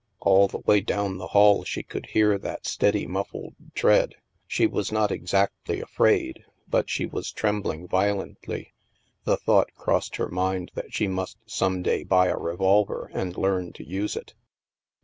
All the way down the hall she could hear that steady muffled tread. She was not exactly afraid, but she was trembling vio lently. The thought crossed her mind that she must some day buy a revolver and learn to use it.